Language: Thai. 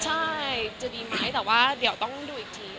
ใช่จะดีไหมแต่ว่าเดี๋ยวต้องดูอีกที